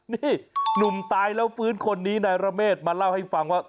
นี่หนุ่มตายแล้วฟื้นคนนี้นายระเมฆมาเล่าให้ฟังว่า